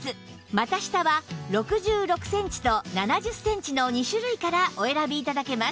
股下は６６センチと７０センチの２種類からお選び頂けます